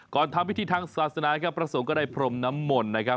ทำพิธีทางศาสนาครับพระสงฆ์ก็ได้พรมน้ำมนต์นะครับ